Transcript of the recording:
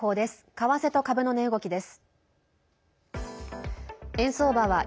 為替と株の値動きです。